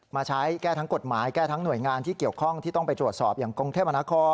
มาใช้แก้ทั้งกฎหมายแก้ทั้งหน่วยงานที่เกี่ยวข้องที่ต้องไปตรวจสอบอย่างกรุงเทพมนาคม